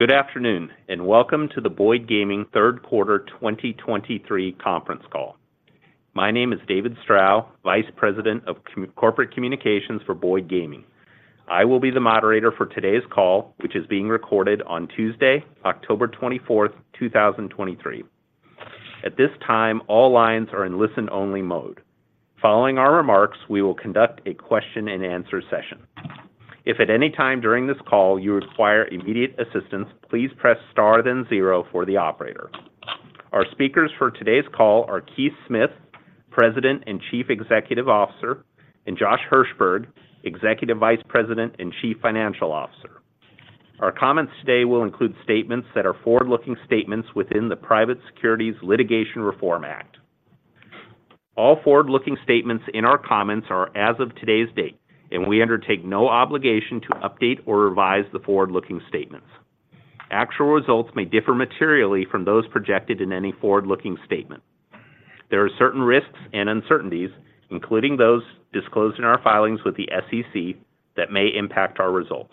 Good afternoon, and welcome to the Boyd Gaming Third Quarter 2023 Conference Call. My name is David Strow, Vice President of Corporate Communications for Boyd Gaming. I will be the moderator for today's call, which is being recorded on Tuesday, October 24, 2023. At this time, all lines are in listen-only mode. Following our remarks, we will conduct a question-and-answer session. If at any time during this call you require immediate assistance, please press star, then zero for the operator. Our speakers for today's call are Keith Smith, President and Chief Executive Officer, and Josh Hirsberg, Executive Vice President and Chief Financial Officer. Our comments today will include statements that are forward-looking statements within the Private Securities Litigation Reform Act. All forward-looking statements in our comments are as of today's date, and we undertake no obligation to update or revise the forward-looking statements. Actual results may differ materially from those projected in any forward-looking statement. There are certain risks and uncertainties, including those disclosed in our filings with the SEC, that may impact our results.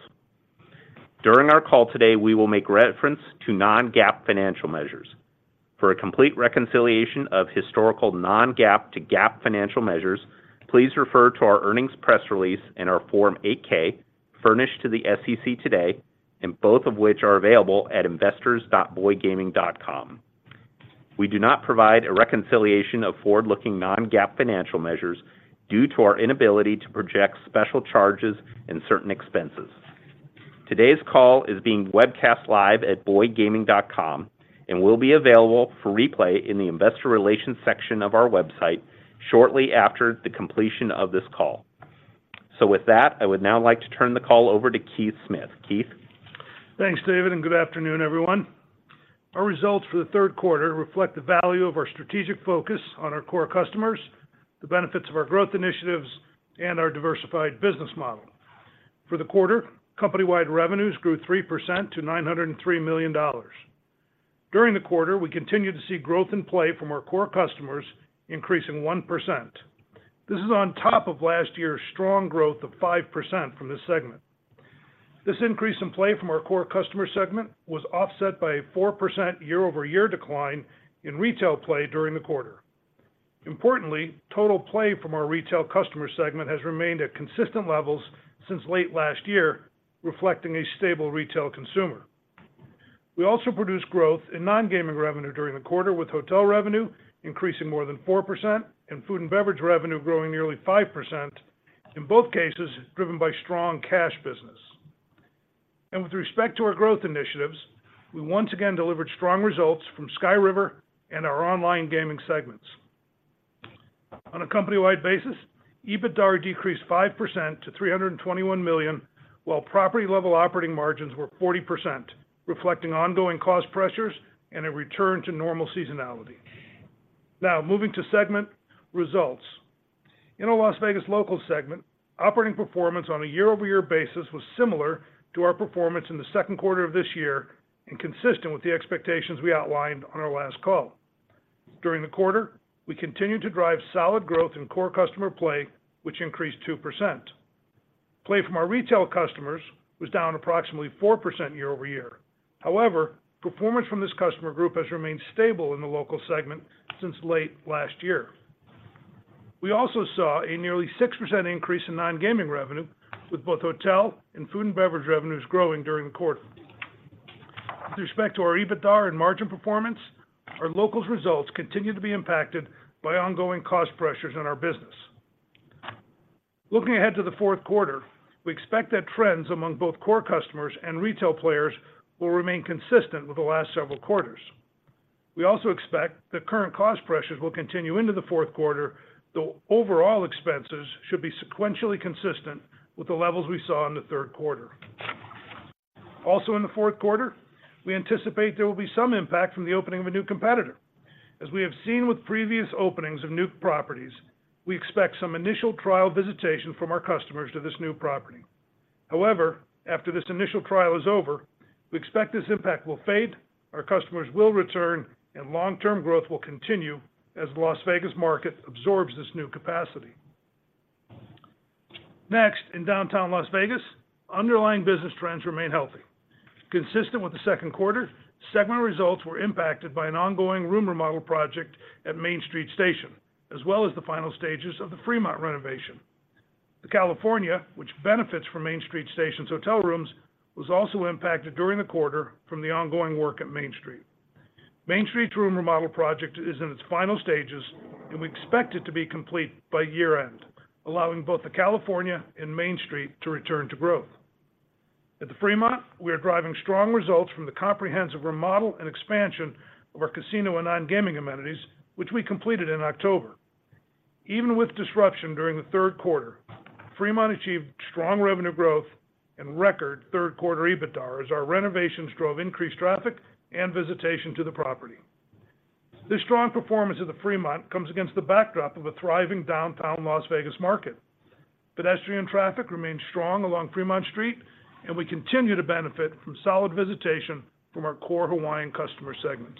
During our call today, we will make reference to non-GAAP financial measures. For a complete reconciliation of historical non-GAAP to GAAP financial measures, please refer to our earnings press release and our Form 8-K furnished to the SEC today, and both of which are available at investors.boydgaming.com. We do not provide a reconciliation of forward-looking non-GAAP financial measures due to our inability to project special charges and certain expenses. Today's call is being webcast live at boydgaming.com and will be available for replay in the investor relations section of our website shortly after the completion of this call. With that, I would now like to turn the call over to Keith Smith. Keith? Thanks, David, and good afternoon, everyone. Our results for the third quarter reflect the value of our strategic focus on our core customers, the benefits of our growth initiatives, and our diversified business model. For the quarter, company-wide revenues grew 3% to $903 million. During the quarter, we continued to see growth in play from our core customers, increasing 1%. This is on top of last year's strong growth of 5% from this segment. This increase in play from our core customer segment was offset by a 4% year-over-year decline in retail play during the quarter. Importantly, total play from our retail customer segment has remained at consistent levels since late last year, reflecting a stable retail consumer. We also produced growth in non-gaming revenue during the quarter, with hotel revenue increasing more than 4% and food and beverage revenue growing nearly 5%, in both cases, driven by strong cash business. With respect to our growth initiatives, we once again delivered strong results from Sky River and our Online Gaming segments. On a company-wide basis, EBITDA decreased 5% to $321 million, while property-level operating margins were 40%, reflecting ongoing cost pressures and a return to normal seasonality. Now, moving to segment results. In our Las Vegas Locals segment, operating performance on a year-over-year basis was similar to our performance in the second quarter of this year and consistent with the expectations we outlined on our last call. During the quarter, we continued to drive solid growth in core customer play, which increased 2%. Play from our retail customers was down approximately 4% year-over-year. However, performance from this customer group has remained stable in the Locals segment since late last year. We also saw a nearly 6% increase in non-gaming revenue, with both hotel and food and beverage revenues growing during the quarter. With respect to our EBITDA and margin performance, our Locals results continued to be impacted by ongoing cost pressures in our business. Looking ahead to the fourth quarter, we expect that trends among both core customers and retail players will remain consistent with the last several quarters. We also expect that current cost pressures will continue into the fourth quarter, though overall expenses should be sequentially consistent with the levels we saw in the third quarter. Also in the fourth quarter, we anticipate there will be some impact from the opening of a new competitor. As we have seen with previous openings of new properties, we expect some initial trial visitation from our customers to this new property. However, after this initial trial is over, we expect this impact will fade, our customers will return, and long-term growth will continue as the Las Vegas market absorbs this new capacity. Next, in downtown Las Vegas, underlying business trends remain healthy. Consistent with the second quarter, segment results were impacted by an ongoing room remodel project at Main Street Station, as well as the final stages of the Fremont renovation. The California, which benefits from Main Street Station's hotel rooms, was also impacted during the quarter from the ongoing work at Main Street. Main Street's room remodel project is in its final stages, and we expect it to be complete by year-end, allowing both the California and Main Street to return to growth. At the Fremont, we are driving strong results from the comprehensive remodel and expansion of our casino and non-gaming amenities, which we completed in October. Even with disruption during the third quarter, Fremont achieved strong revenue growth and record third quarter EBITDA as our renovations drove increased traffic and visitation to the property. This strong performance of the Fremont comes against the backdrop of a thriving downtown Las Vegas market. Pedestrian traffic remains strong along Fremont Street, and we continue to benefit from solid visitation from our core Hawaiian customer segments.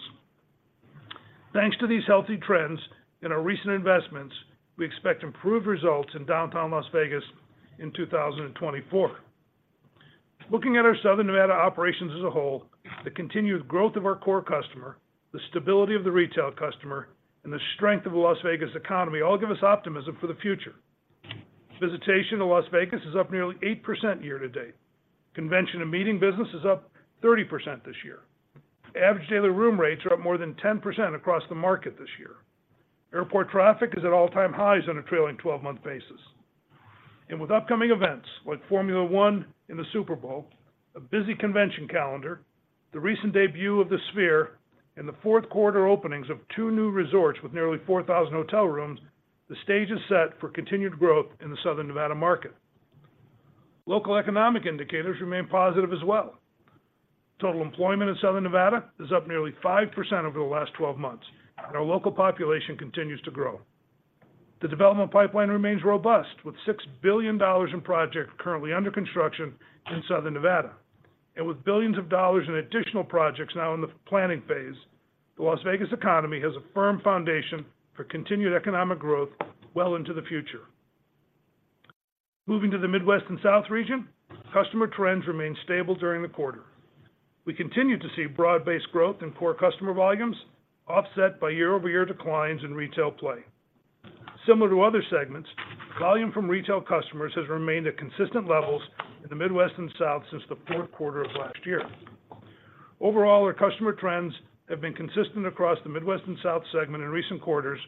Thanks to these healthy trends and our recent investments, we expect improved results in downtown Las Vegas in 2024. Looking at our Southern Nevada operations as a whole, the continued growth of our core customer, the stability of the retail customer, and the strength of the Las Vegas economy all give us optimism for the future. Visitation to Las Vegas is up nearly 8% year-to-date. Convention and meeting business is up 30% this year. Average daily room rates are up more than 10% across the market this year. Airport traffic is at all-time highs on a trailing 12-month basis. With upcoming events like Formula One and the Super Bowl, a busy convention calendar, the recent debut of the Sphere, and the fourth quarter openings of two new resorts with nearly 4,000 hotel rooms, the stage is set for continued growth in the Southern Nevada market. Local economic indicators remain positive as well. Total employment in Southern Nevada is up nearly 5% over the last 12 months, and our local population continues to grow. The development pipeline remains robust, with $6 billion in projects currently under construction in Southern Nevada. With billions of dollars in additional projects now in the planning phase, the Las Vegas economy has a firm foundation for continued economic growth well into the future. Moving to the Midwest and South region, customer trends remained stable during the quarter. We continued to see broad-based growth in core customer volumes, offset by year-over-year declines in retail play. Similar to other segments, volume from retail customers has remained at consistent levels in the Midwest and South since the fourth quarter of last year. Overall, our customer trends have been consistent across the Midwest and South segment in recent quarters,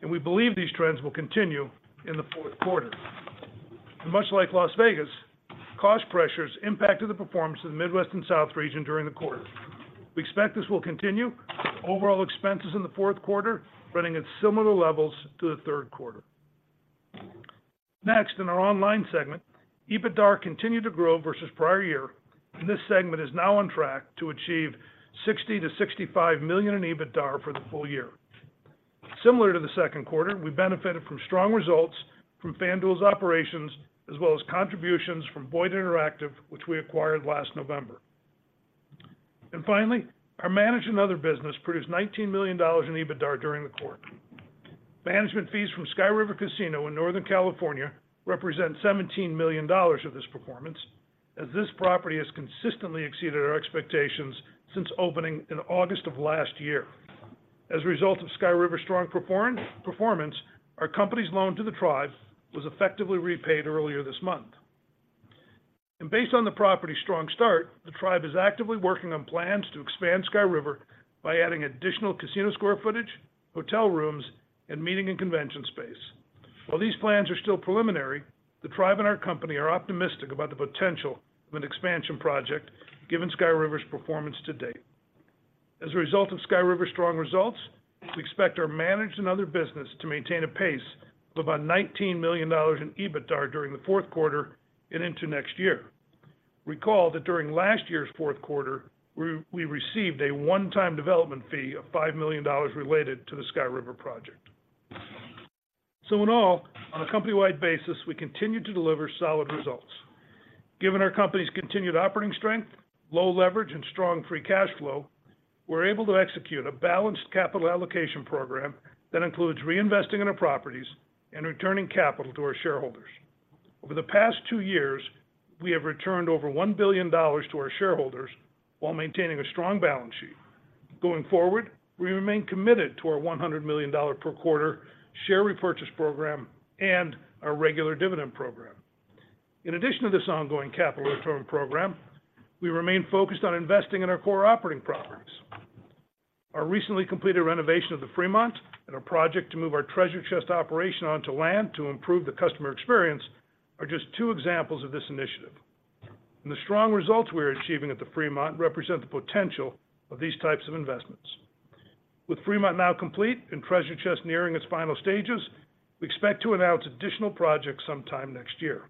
and we believe these trends will continue in the fourth quarter. Much like Las Vegas, cost pressures impacted the performance of the Midwest and South region during the quarter. We expect this will continue, with overall expenses in the fourth quarter running at similar levels to the third quarter. Next, in our Online segment, EBITDA continued to grow versus prior year, and this segment is now on track to achieve $60 million-$65 million in EBITDA for the full year. Similar to the second quarter, we benefited from strong results from FanDuel's operations, as well as contributions from Boyd Interactive, which we acquired last November. And finally, our Managed and Other business produced $19 million in EBITDA during the quarter. Management fees from Sky River Casino in Northern California represent $17 million of this performance, as this property has consistently exceeded our expectations since opening in August of last year. As a result of Sky River's strong performance, our company's loan to the tribe was effectively repaid earlier this month. Based on the property's strong start, the tribe is actively working on plans to expand Sky River by adding additional casino square footage, hotel rooms, and meeting and convention space. While these plans are still preliminary, the tribe and our company are optimistic about the potential of an expansion project, given Sky River's performance to date. As a result of Sky River's strong results, we expect our Managed and Other business to maintain a pace of about $19 million in EBITDA during the fourth quarter and into next year. Recall that during last year's fourth quarter, we received a one-time development fee of $5 million related to the Sky River project. In all, on a company-wide basis, we continue to deliver solid results. Given our company's continued operating strength, low leverage, and strong free cash flow, we're able to execute a balanced capital allocation program that includes reinvesting in our properties and returning capital to our shareholders. Over the past two years, we have returned over $1 billion to our shareholders while maintaining a strong balance sheet. Going forward, we remain committed to our $100 million per quarter share repurchase program and our regular dividend program. In addition to this ongoing capital return program, we remain focused on investing in our core operating properties. Our recently completed renovation of the Fremont and our project to move our Treasure Chest operation onto land to improve the customer experience are just two examples of this initiative. The strong results we are achieving at the Fremont represent the potential of these types of investments. With Fremont now complete and Treasure Chest nearing its final stages, we expect to announce additional projects sometime next year.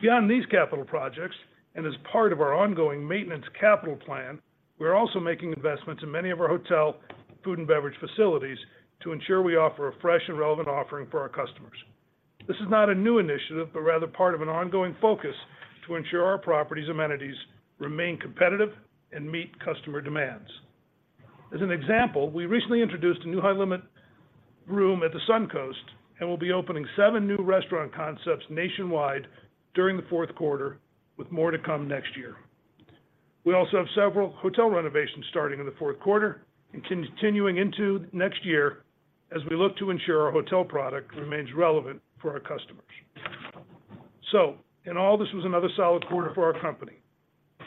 Beyond these capital projects, and as part of our ongoing maintenance capital plan, we are also making investments in many of our hotel food and beverage facilities to ensure we offer a fresh and relevant offering for our customers. This is not a new initiative, but rather part of an ongoing focus to ensure our property's amenities remain competitive and meet customer demands. As an example, we recently introduced a new high-limit room at the Suncoast, and we'll be opening seven new restaurant concepts nationwide during the fourth quarter, with more to come next year. We also have several hotel renovations starting in the fourth quarter and continuing into next year as we look to ensure our hotel product remains relevant for our customers. So in all, this was another solid quarter for our company.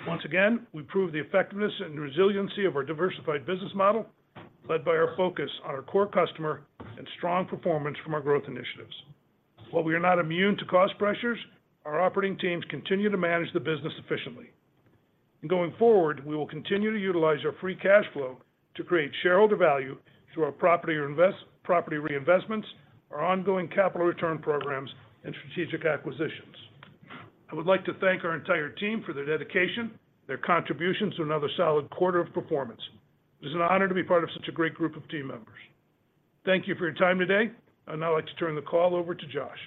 Once again, we proved the effectiveness and resiliency of our diversified business model, led by our focus on our core customer and strong performance from our growth initiatives. While we are not immune to cost pressures, our operating teams continue to manage the business efficiently. And going forward, we will continue to utilize our free cash flow to create shareholder value through our property reinvestments, our ongoing capital return programs, and strategic acquisitions. I would like to thank our entire team for their dedication, their contributions to another solid quarter of performance. It is an honor to be part of such a great group of team members. Thank you for your time today, and I'd like to turn the call over to Josh.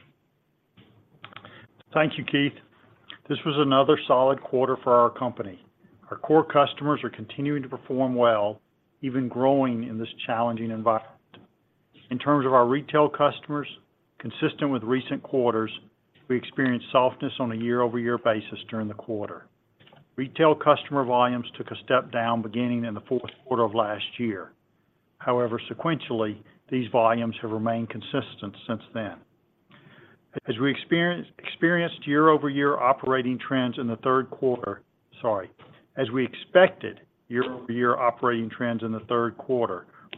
Thank you, Keith. This was another solid quarter for our company. Our core customers are continuing to perform well, even growing in this challenging environment. In terms of our retail customers, consistent with recent quarters, we experienced softness on a year-over-year basis during the quarter. Retail customer volumes took a step down beginning in the fourth quarter of last year. However, sequentially, these volumes have remained consistent since then. As we expected, year-over-year operating trends in the third quarter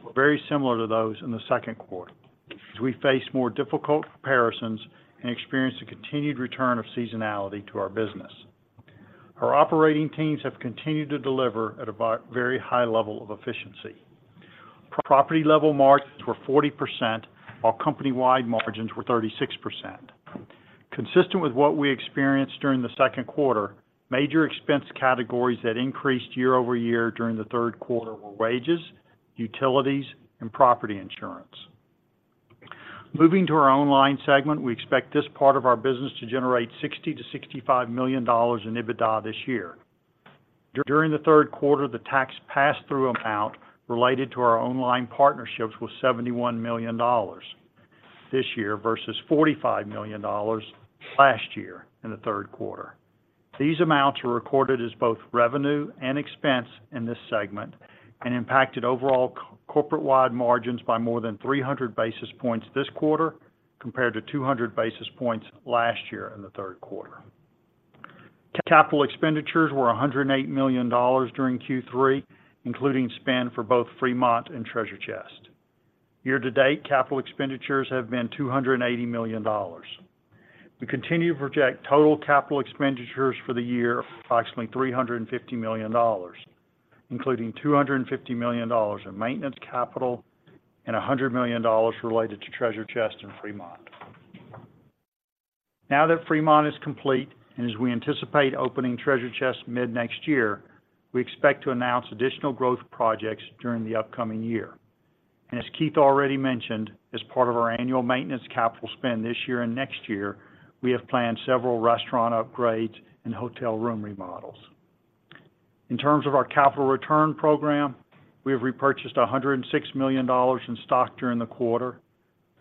were very similar to those in the second quarter, as we face more difficult comparisons and experienced a continued return of seasonality to our business. Our operating teams have continued to deliver at a very high level of efficiency. Property-level margins were 40%, while company-wide margins were 36%. Consistent with what we experienced during the second quarter, major expense categories that increased year-over-year during the third quarter were wages, utilities, and property insurance. Moving to our Online segment, we expect this part of our business to generate $60 million-$65 million in EBITDA this year. During the third quarter, the tax pass-through amount related to our online partnerships was $71 million this year versus $45 million last year in the third quarter. These amounts were recorded as both revenue and expense in this segment and impacted overall corporate-wide margins by more than 300 basis points this quarter, compared to 200 basis points last year in the third quarter. Capital expenditures were $108 million during Q3, including spend for both Fremont and Treasure Chest. Year to date, capital expenditures have been $280 million. We continue to project total capital expenditures for the year, approximately $350 million, including $250 million in maintenance capital and $100 million related to Treasure Chest and Fremont. Now that Fremont is complete, and as we anticipate opening Treasure Chest mid-next year, we expect to announce additional growth projects during the upcoming year. As Keith already mentioned, as part of our annual maintenance capital spend this year and next year, we have planned several restaurant upgrades and hotel room remodels. In terms of our capital return program, we have repurchased $106 million in stock during the quarter,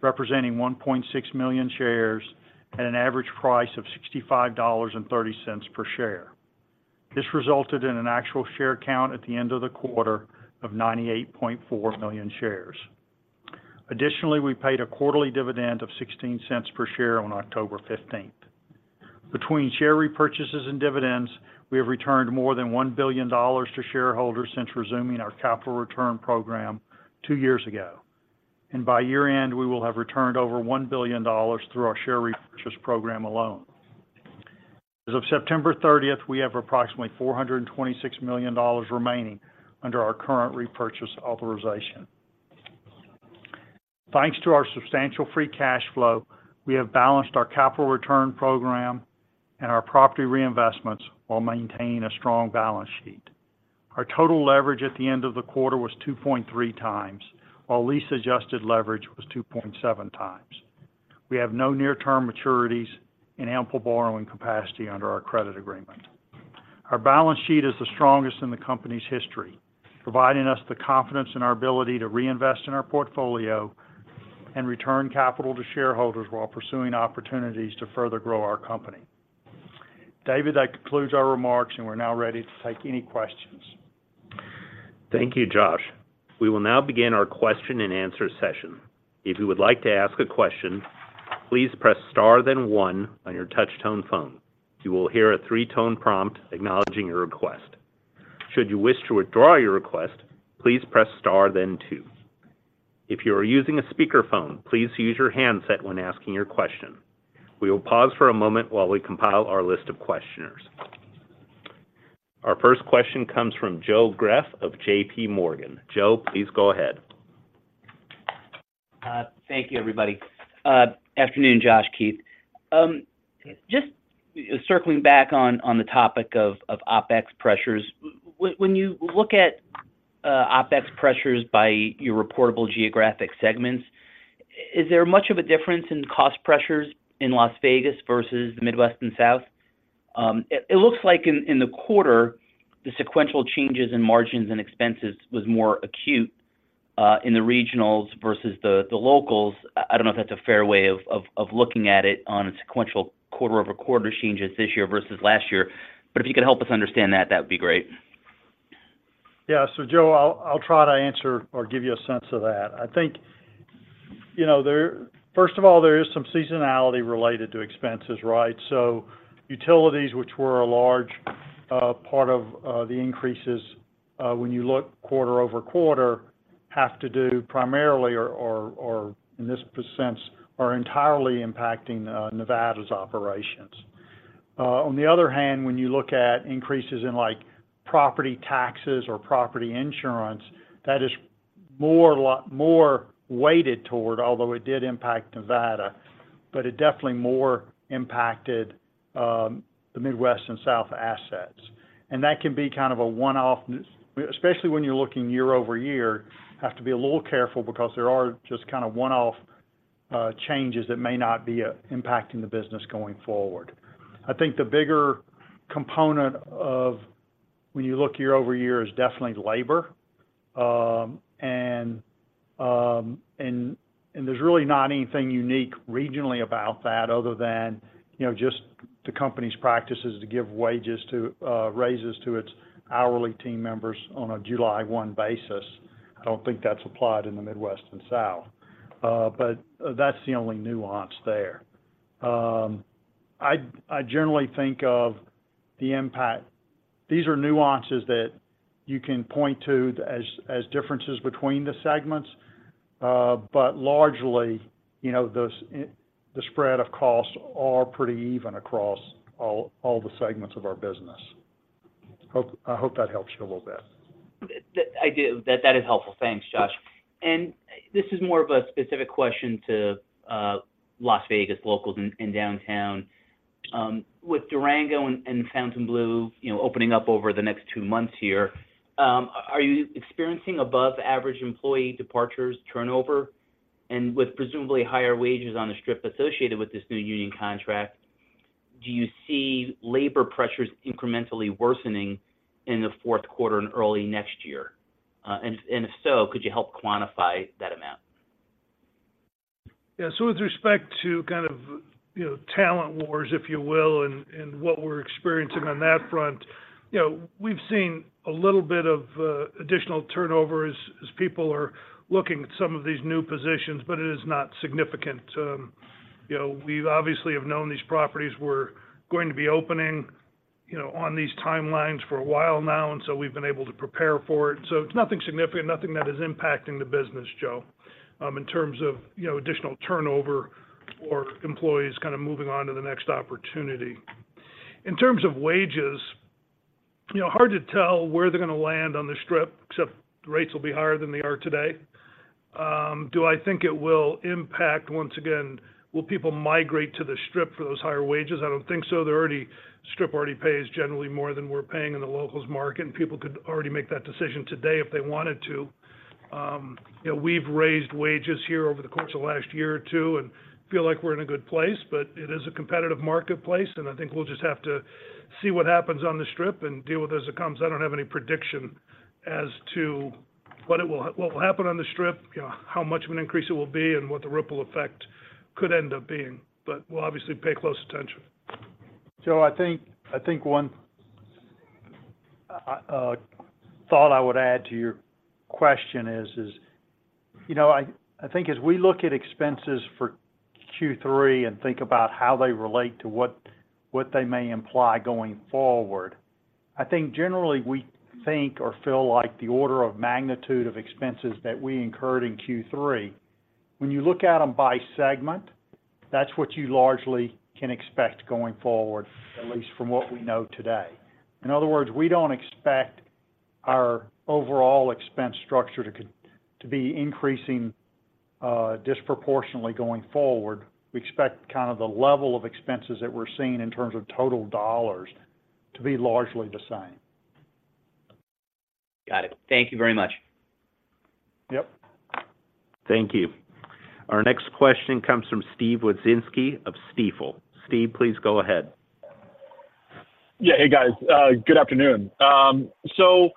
representing 1.6 million shares at an average price of $65.30 per share. This resulted in an actual share count at the end of the quarter of 98.4 million shares. Additionally, we paid a quarterly dividend of $0.16 per share on October 15th. Between share repurchases and dividends, we have returned more than $1 billion to shareholders since resuming our capital return program two years ago, and by year-end, we will have returned over $1 billion through our share repurchase program alone. As of September 30th, we have approximately $426 million remaining under our current repurchase authorization. Thanks to our substantial free cash flow, we have balanced our capital return program and our property reinvestments while maintaining a strong balance sheet. Our total leverage at the end of the quarter was 2.3x, while lease-adjusted leverage was 2.7x. We have no near-term maturities and ample borrowing capacity under our credit agreement. Our balance sheet is the strongest in the company's history, providing us the confidence in our ability to reinvest in our portfolio and return capital to shareholders while pursuing opportunities to further grow our company. David, that concludes our remarks, and we're now ready to take any questions. Thank you, Josh. We will now begin our question-and-answer session. If you would like to ask a question, please press star then one on your touch tone phone. You will hear a three-tone prompt acknowledging your request. Should you wish to withdraw your request, please press star, then two. If you are using a speakerphone, please use your handset when asking your question. We will pause for a moment while we compile our list of questioners. Our first question comes from Joe Greff of JPMorgan. Joe, please go ahead. Thank you, everybody. Afternoon, Josh, Keith. Just circling back on the topic of OpEx pressures. When you look at OpEx pressures by your reportable geographic segments, is there much of a difference in cost pressures in Las Vegas versus the Midwest and South? It looks like in the quarter, the sequential changes in margins and expenses was more acute in the regionals versus the locals. I don't know if that's a fair way of looking at it on a sequential quarter-over-quarter changes this year versus last year, but if you could help us understand that, that would be great. Yeah. So, Joe, I'll try to answer or give you a sense of that. I think, you know, there- first of all, there is some seasonality related to expenses, right? So utilities, which were a large part of the increases, when you look quarter-over-quarter, have to do primarily or in this percent, are entirely impacting Nevada's operations. On the other hand, when you look at increases in, like, property taxes or property insurance, that is more- more weighted toward, although it did impact Nevada, but it definitely more impacted the Midwest and South assets. And that can be kind of a one-off, especially when you're looking year-over-year, have to be a little careful because there are just kind of one-off changes that may not be impacting the business going forward. I think the bigger component of when you look year-over-year is definitely labor. And there's really not anything unique regionally about that other than, you know, just the company's practices to give raises to its hourly team members on a July 1 basis. I don't think that's applied in the Midwest and South, but that's the only nuance there. I generally think of the impact. These are nuances that you can point to as differences between the segments, but largely, you know, those, the spread of costs are pretty even across all the segments of our business. I hope that helps you a little bit. I do. That is helpful. Thanks, Josh. And this is more of a specific question to Las Vegas Locals and Downtown. With Durango and Fontainebleau, you know, opening up over the next two months here, are you experiencing above average employee departures turnover? And with presumably higher wages on the Strip associated with this new union contract, do you see labor pressures incrementally worsening in the fourth quarter and early next year? And if so, could you help quantify that amount? Yeah. So with respect to kind of, you know, talent wars, if you will, and what we're experiencing on that front, you know, we've seen a little bit of additional turnover as people are looking at some of these new positions, but it is not significant. You know, we obviously have known these properties were going to be opening, you know, on these timelines for a while now, and so we've been able to prepare for it. So it's nothing significant, nothing that is impacting the business, Joe, in terms of, you know, additional turnover or employees kind of moving on to the next opportunity. In terms of wages, you know, hard to tell where they're going to land on the Strip, except the rates will be higher than they are today. Do I think it will impact once again, will people migrate to the Strip for those higher wages? I don't think so. Strip already pays generally more than we're paying in the Locals market, and people could already make that decision today if they wanted to. You know, we've raised wages here over the course of the last year or two and feel like we're in a good place, but it is a competitive marketplace, and I think we'll just have to see what happens on the Strip and deal with it as it comes. I don't have any prediction as to what will happen on the Strip, you know, how much of an increase it will be, and what the ripple effect could end up being, but we'll obviously pay close attention. Joe, I think, I think one thought I would add to your question is, you know, I think as we look at expenses for Q3 and think about how they relate to what they may imply going forward, I think generally, we think or feel like the order of magnitude of expenses that we incurred in Q3, when you look at them by segment, that's what you largely can expect going forward, at least from what we know today. In other words, we don't expect our overall expense structure to be increasing disproportionately going forward. We expect kind of the level of expenses that we're seeing in terms of total dollars to be largely the same. Got it. Thank you very much. Yep. Thank you. Our next question comes from Steve Wieczynski of Stifel. Steve, please go ahead. Yeah. Hey, guys, good afternoon. So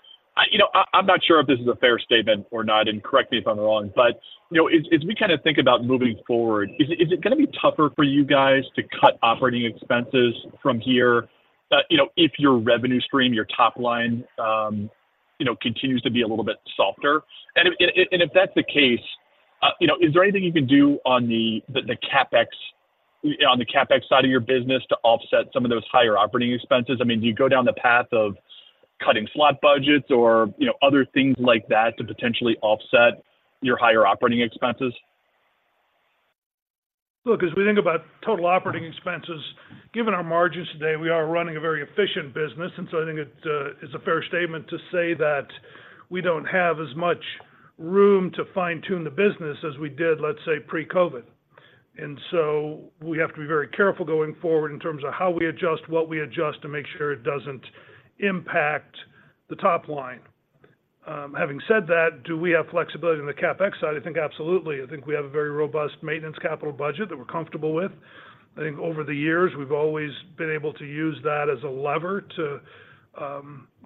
you know, I'm not sure if this is a fair statement or not, and correct me if I'm wrong, but, you know, as we kind of think about moving forward, is it going to be tougher for you guys to cut operating expenses from here, you know, if your revenue stream, your top line, you know, continues to be a little bit softer? And if that's the case, you know, is there anything you can do on the CapEx side of your business to offset some of those higher operating expenses? I mean, do you go down the path of cutting slot budgets or, you know, other things like that to potentially offset your higher operating expenses? Look, as we think about total operating expenses, given our margins today, we are running a very efficient business. And so I think it is a fair statement to say that we don't have as much room to fine-tune the business as we did, let's say, pre-COVID. And so we have to be very careful going forward in terms of how we adjust, what we adjust, to make sure it doesn't impact the top line. Having said that, do we have flexibility on the CapEx side? I think absolutely. I think we have a very robust maintenance capital budget that we're comfortable with. I think over the years, we've always been able to use that as a lever to,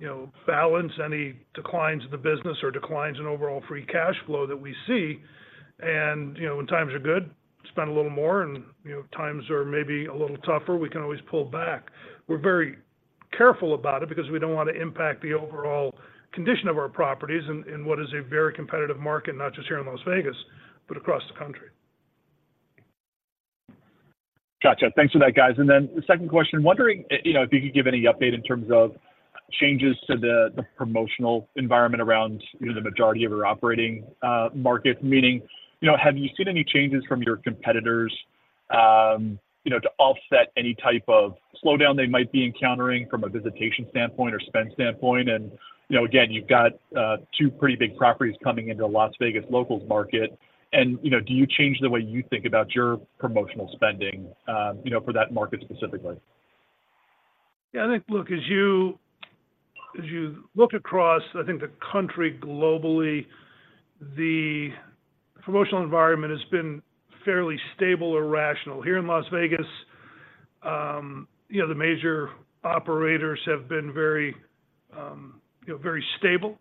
you know, balance any declines in the business or declines in overall free cash flow that we see. You know, when times are good, spend a little more, and, you know, times are maybe a little tougher, we can always pull back. We're very careful about it because we don't want to impact the overall condition of our properties in what is a very competitive market, not just here in Las Vegas, but across the country. Gotcha. Thanks for that, guys. And then the second question, wondering, you know, if you could give any update in terms of changes to the promotional environment around, you know, the majority of your operating market? Meaning, you know, have you seen any changes from your competitors, you know, to offset any type of slowdown they might be encountering from a visitation standpoint or spend standpoint? And, you know, again, you've got two pretty big properties coming into the Las Vegas Locals market, and, you know, do you change the way you think about your promotional spending, you know, for that market specifically? Yeah, I think, look, as you look across, I think, the country globally, the promotional environment has been fairly stable or rational. Here in Las Vegas, you know, the major operators have been very, you know, very stable,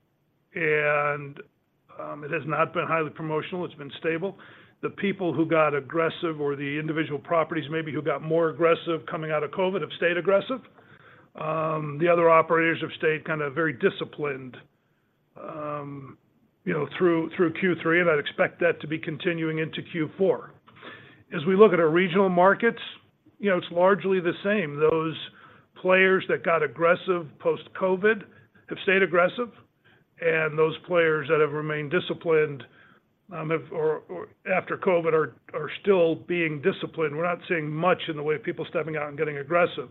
and it has not been highly promotional, it's been stable. The people who got aggressive, or the individual properties maybe who got more aggressive coming out of COVID, have stayed aggressive. The other operators have stayed kind of very disciplined, you know, through Q3, and I'd expect that to be continuing into Q4. As we look at our regional markets, you know, it's largely the same. Those players that got aggressive post-COVID have stayed aggressive, and those players that have remained disciplined, or after COVID are still being disciplined. We're not seeing much in the way of people stepping out and getting aggressive.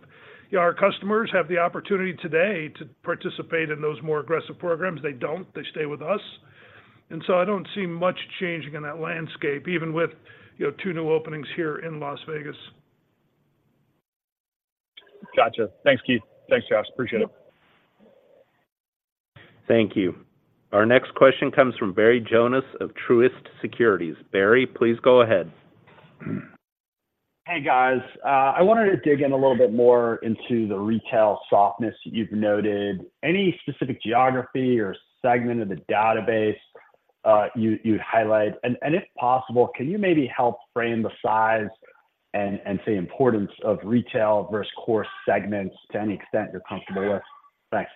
Yeah, our customers have the opportunity today to participate in those more aggressive programs. They don't. They stay with us. And so I don't see much changing in that landscape, even with, you know, two new openings here in Las Vegas. Gotcha. Thanks, Keith. Thanks, Josh. Appreciate it. Thank you. Our next question comes from Barry Jonas of Truist Securities. Barry, please go ahead. Hey, guys. I wanted to dig in a little bit more into the retail softness you've noted. Any specific geography or segment of the database, you, you'd highlight? And, and if possible, can you maybe help frame the size and, and say importance of retail versus core segments to any extent you're comfortable with? Thanks.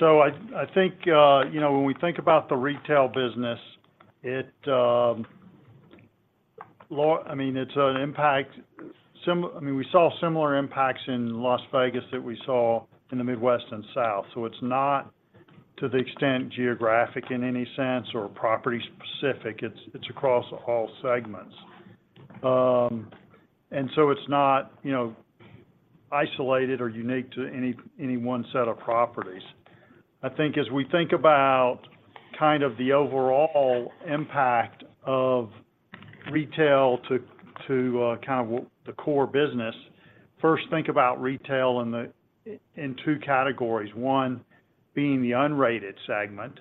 So I think, you know, when we think about the retail business, it, I mean, it's an impact. I mean, we saw similar impacts in Las Vegas that we saw in the Midwest and South, so it's not, to the extent, geographic in any sense or property-specific. It's, it's across all segments. And so it's not, you know, isolated or unique to any, any one set of properties. I think as we think about kind of the overall impact of retail to, to, kind of the core business, first, think about retail in the in two categories. One, being the unrated segment,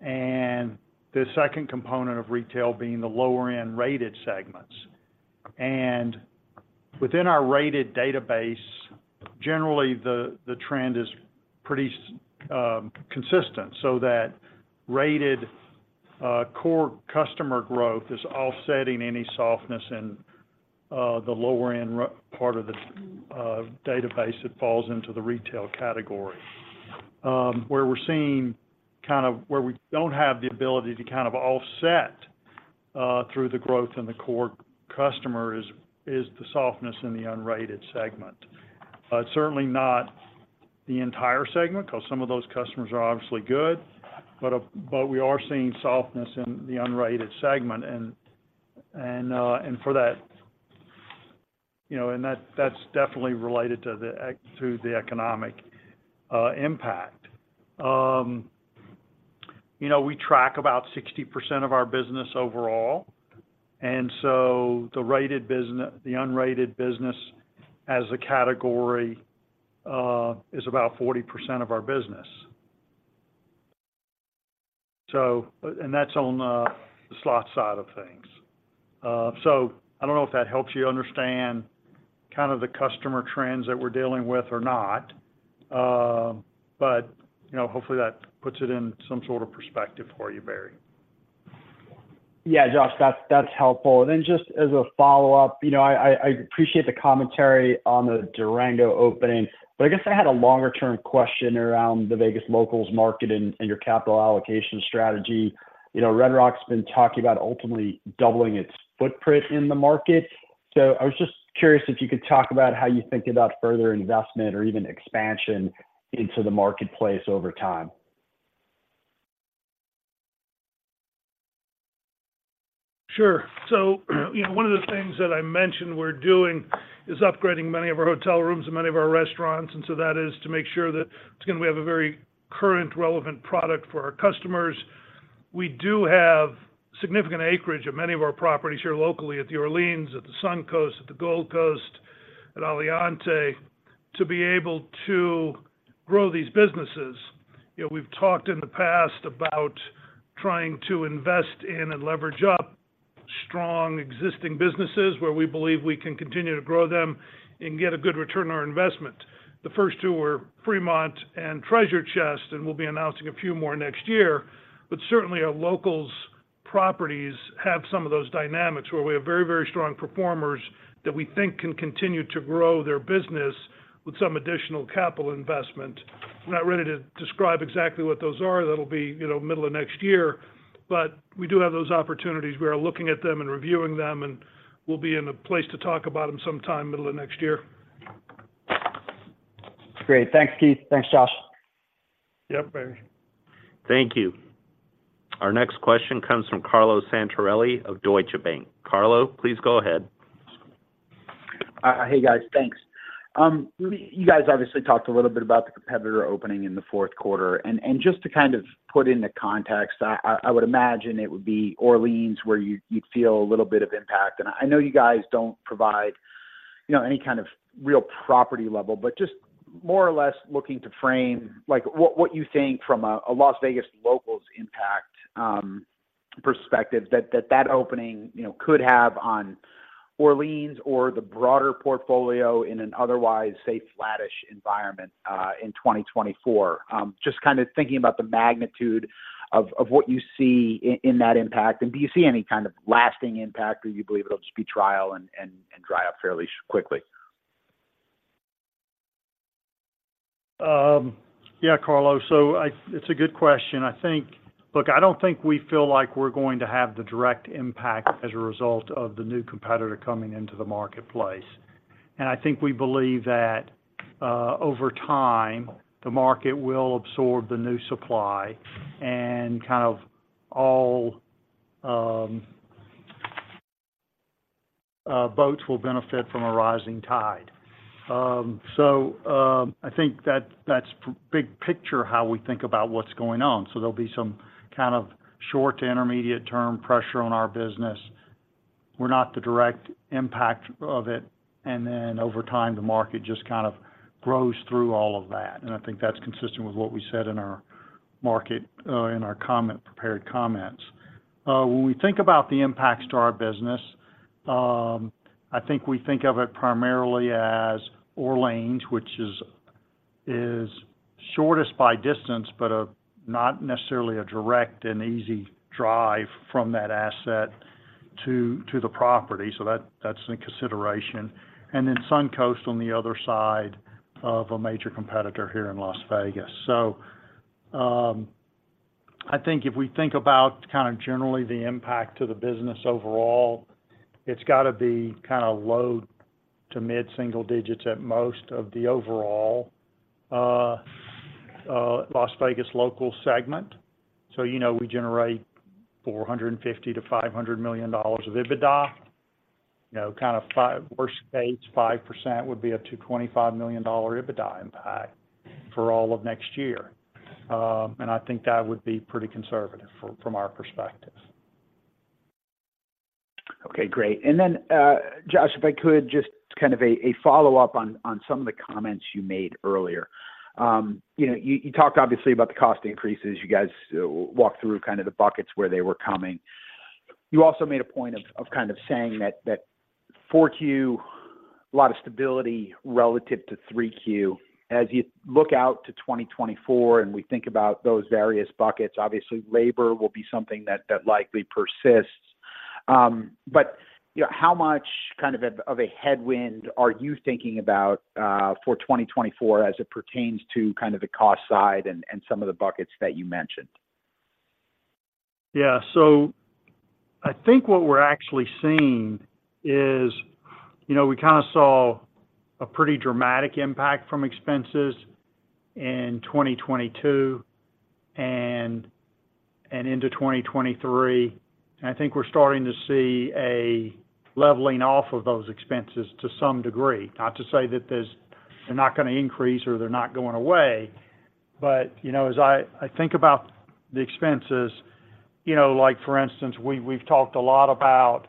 and the second component of retail being the lower-end rated segments. Within our rated database, generally, the trend is pretty consistent, so that rated core customer growth is offsetting any softness in the lower-end part of the database that falls into the retail category. Where we're seeing kind of where we don't have the ability to kind of offset through the growth in the core customer is the softness in the unrated segment. Certainly not the entire segment, 'cause some of those customers are obviously good, but but we are seeing softness in the unrated segment. And for that, you know, and that, that's definitely related to the economic impact. You know, we track about 60% of our business overall, and so the unrated business as a category is about 40% of our business. So, and that's on the slot side of things. So I don't know if that helps you understand kind of the customer trends that we're dealing with or not, but you know, hopefully that puts it in some sort of perspective for you, Barry. Yeah, Josh, that's helpful. Then just as a follow-up, you know, I appreciate the commentary on the Durango opening, but I guess I had a longer-term question around the Vegas Locals market and your capital allocation strategy. You know, Red Rock's been talking about ultimately doubling its footprint in the market. So I was just curious if you could talk about how you think about further investment or even expansion into the marketplace over time. Sure. So, you know, one of the things that I mentioned we're doing is upgrading many of our hotel rooms and many of our restaurants, and so that is to make sure that, again, we have a very current, relevant product for our customers. We do have significant acreage of many of our properties here locally, at the Orleans, at the Suncoast, at the Gold Coast, at Aliante, to be able to grow these businesses. You know, we've talked in the past about trying to invest in and leverage up strong existing businesses, where we believe we can continue to grow them and get a good return on our investment. The first two were Fremont and Treasure Chest, and we'll be announcing a few more next year. But certainly, our Locals properties have some of those dynamics, where we have very, very strong performers that we think can continue to grow their business with some additional capital investment. We're not ready to describe exactly what those are. That'll be, you know, middle of next year, but we do have those opportunities. We are looking at them and reviewing them, and we'll be in a place to talk about them sometime middle of next year. Great. Thanks, Keith. Thanks, Josh. Yep, Barry. Thank you. Our next question comes from Carlo Santarelli of Deutsche Bank. Carlo, please go ahead. Hey, guys, thanks. You guys obviously talked a little bit about the competitor opening in the fourth quarter. And just to kind of put into context, I would imagine it would be Orleans, where you'd feel a little bit of impact. And I know you guys don't provide, you know, any kind of real property level, but just more or less looking to frame, like, what you think from a Las Vegas Locals impact perspective, that opening, you know, could have on Orleans or the broader portfolio in an otherwise, say, flattish environment in 2024. Just kind of thinking about the magnitude of what you see in that impact. And do you see any kind of lasting impact, or you believe it'll just be trial and dry up fairly quickly? Yeah, Carlo, so it's a good question. I think— Look, I don't think we feel like we're going to have the direct impact as a result of the new competitor coming into the marketplace. And I think we believe that, over time, the market will absorb the new supply and kind of all boats will benefit from a rising tide. So, I think that's big picture, how we think about what's going on. So there'll be some kind of short to intermediate term pressure on our business. We're not the direct impact of it, and then over time, the market just kind of grows through all of that. And I think that's consistent with what we said in our market, in our comment, prepared comments. When we think about the impacts to our business, I think we think of it primarily as Orleans, which is shortest by distance, but not necessarily a direct and easy drive from that asset to the property. So that's in consideration. And then Suncoast on the other side of a major competitor here in Las Vegas. So I think if we think about kind of generally the impact to the business overall, it's got to be low to mid-single digits at most of the overall Las Vegas Locals segment. You know, we generate $450 million-$500 million of EBITDA. You know, kind of five worst case, 5% would be up to $25 million EBITDA impact for all of next year. And I think that would be pretty conservative from our perspective. Okay, great. And then, Josh, if I could, just kind of a follow-up on some of the comments you made earlier. You know, you talked obviously about the cost increases. You guys walked through kind of the buckets where they were coming. You also made a point of kind of saying that 4Q, a lot of stability relative to 3Q. As you look out to 2024 and we think about those various buckets, obviously, labor will be something that likely persists. But, you know, how much kind of a headwind are you thinking about for 2024 as it pertains to kind of the cost side and some of the buckets that you mentioned? Yeah. So I think what we're actually seeing is, you know, we kind of saw a pretty dramatic impact from expenses in 2022 and into 2023. And I think we're starting to see a leveling off of those expenses to some degree. Not to say that there's—they're not going to increase or they're not going away, but, you know, as I think about the expenses, you know, like, for instance, we've talked a lot about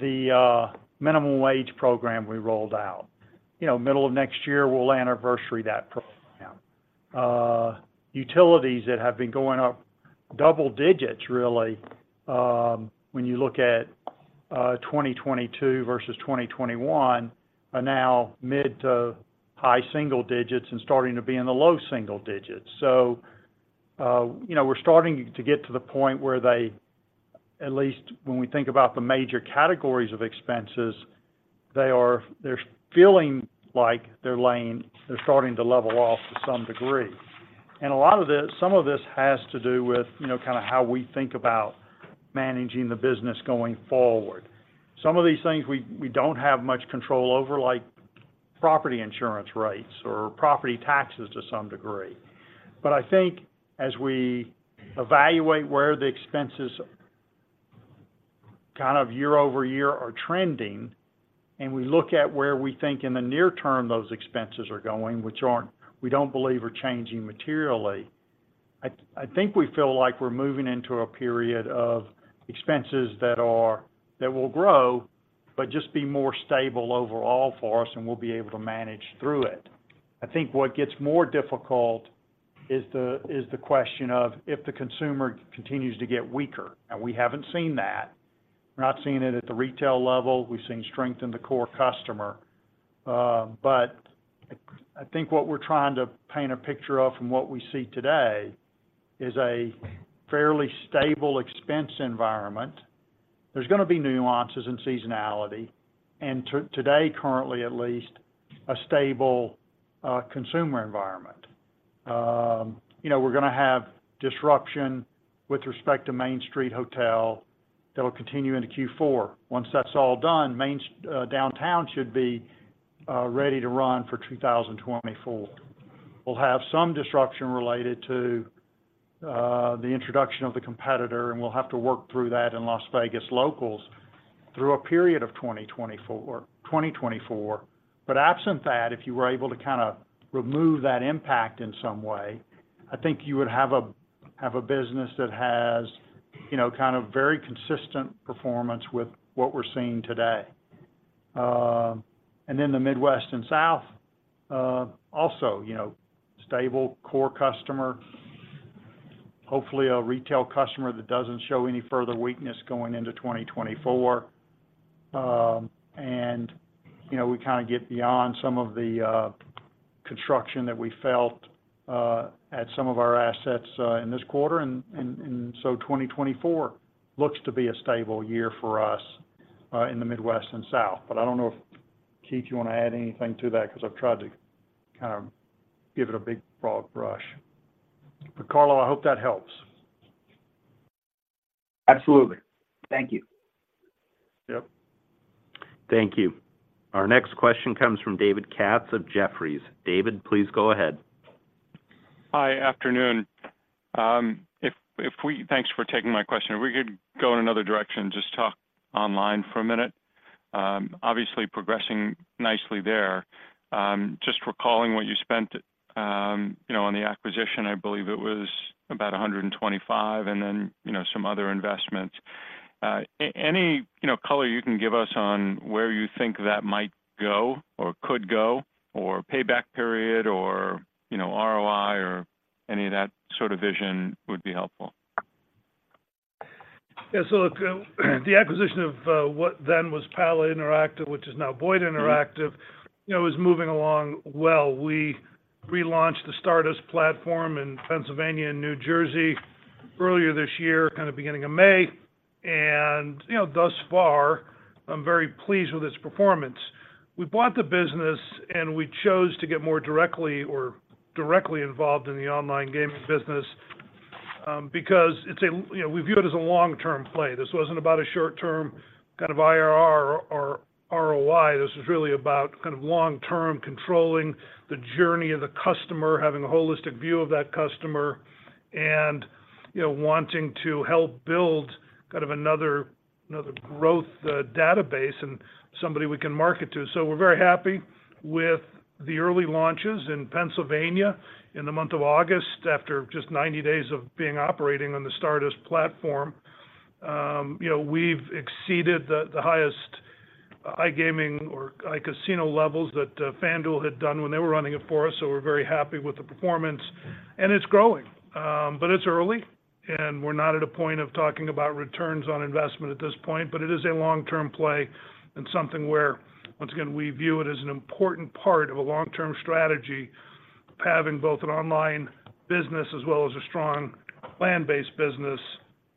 the minimum wage program we rolled out. You know, middle of next year, we'll anniversary that program. Utilities that have been going up double digits, really, when you look at 2022 versus 2021, are now mid to high single digits and starting to be in the low single digits. So, you know, we're starting to get to the point where they, at least when we think about the major categories of expenses, they're starting to level off to some degree. And a lot of this—some of this has to do with, you know, kind of how we think about managing the business going forward. Some of these things we, we don't have much control over, like property insurance rates or property taxes to some degree. But I think as we evaluate where the expenses kind of year over year are trending, and we look at where we think in the near term those expenses are going, which aren't, we don't believe are changing materially, I, I think we feel like we're moving into a period of expenses that are, that will grow, but just be more stable overall for us, and we'll be able to manage through it. I think what gets more difficult is the, is the question of if the consumer continues to get weaker, and we haven't seen that. We're not seeing it at the retail level. We've seen strength in the core customer. But I, I think what we're trying to paint a picture of from what we see today, is a fairly stable expense environment. There's going to be nuances and seasonality, and today, currently, at least, a stable consumer environment. You know, we're going to have disruption with respect to Main Street Hotel that will continue into Q4. Once that's all done, Downtown should be ready to run for 2024. We'll have some disruption related to the introduction of the competitor, and we'll have to work through that in Las Vegas Locals through a period of 2024. But absent that, if you were able to kind of remove that impact in some way, I think you would have a business that has, you know, kind of very consistent performance with what we're seeing today. And then the Midwest and South, also, you know, stable core customer. Hopefully, a retail customer that doesn't show any further weakness going into 2024. And, you know, we kind of get beyond some of the construction that we felt at some of our assets in this quarter. And so 2024 looks to be a stable year for us in the Midwest and South. But I don't know if, Keith, you want to add anything to that, because I've tried to kind of give it a big broad brush. But, Carlo, I hope that helps. Absolutely. Thank you. Yep. Thank you. Our next question comes from David Katz of Jefferies. David, please go ahead. Hi, afternoon. Thanks for taking my question. If we could go in another direction, just talk Online for a minute. Obviously progressing nicely there. Just recalling what you spent, you know, on the acquisition, I believe it was about $125, and then, you know, some other investments. Any, you know, color you can give us on where you think that might go or could go, or payback period or, you know, ROI, or any of that sort of vision would be helpful. Yeah. So look, the acquisition of what then was Pala Interactive, which is now Boyd Interactive, you know, is moving along well. We relaunched the Stardust platform in Pennsylvania and New Jersey earlier this year, kind of beginning of May, and, you know, thus far, I'm very pleased with its performance. We bought the business, and we chose to get more directly or directly involved in the Online Gaming business, because it's a, you know, we view it as a long-term play. This wasn't about a short-term kind of IRR or ROI. This is really about kind of long-term, controlling the journey of the customer, having a holistic view of that customer, and, you know, wanting to help build kind of another, another growth database and somebody we can market to. So we're very happy with the early launches in Pennsylvania in the month of August. After just 90 days of being operating on the Stardust platform, you know, we've exceeded the highest iGaming or iCasino levels that FanDuel had done when they were running it for us, so we're very happy with the performance. It's growing, but it's early, and we're not at a point of talking about returns on investment at this point, but it is a long-term play and something where, once again, we view it as an important part of a long-term strategy of having both an Online business as well as a strong land-based business